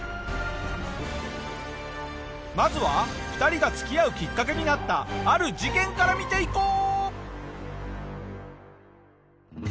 まずは２人が付き合うきっかけになったある事件から見ていこう。